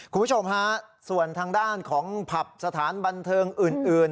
คุณผู้ชมฮะส่วนทางด้านของผับสถานบันเทิงอื่น